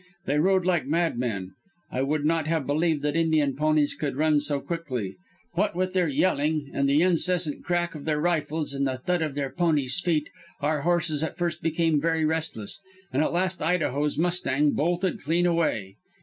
They rode like madmen. I would not have believed that Indian ponies could run so quickly. What with their yelling and the incessant crack of their rifles and the thud of their ponies' feet our horses at first became very restless, and at last Idaho's mustang bolted clean away.